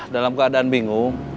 dalam keadaan bingung